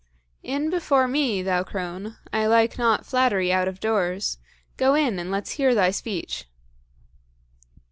"In before me, thou crone; I like not flattery out of doors; go in and let's hear thy speech."